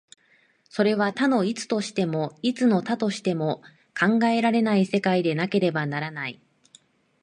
それは多の一としても、一の多としても考えられない世界でなければならない。